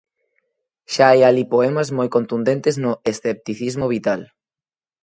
Xa hai alí poemas moi contundentes no escepticismo vital.